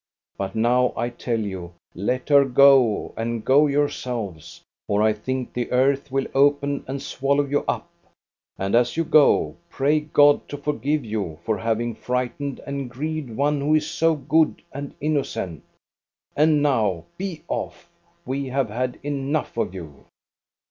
But now I tell you: let her go, and go yourselves, or I think the earth will open and swallow you up. And as you go, pray God to forgive you for having frightened and grieved one who is so good and innocent. And now be off! We have had enough of you